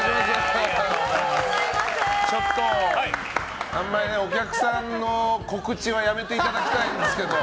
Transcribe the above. ちょっと、あんまりお客さんの告知はやめていただきたいんですけど。